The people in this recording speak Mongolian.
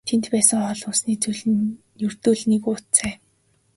Тэнд байсан хоол хүнсний зүйл нь ердөө л нэг уут цай.